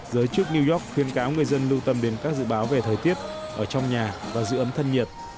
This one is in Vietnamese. giới chức new york khuyên cáo người dân lưu tâm đến các dự báo về thời tiết ở trong nhà và giữ ấm thân nhiệt